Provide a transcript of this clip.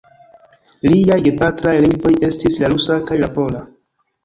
Liaj gepatraj lingvoj estis la rusa kaj la pola.